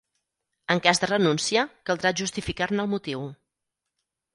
En cas de renúncia, caldrà justificar-ne el motiu.